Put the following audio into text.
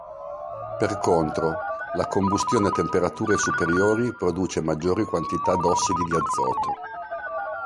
Per contro: la combustione a temperature superiori produce maggiori quantità d'ossidi di azoto.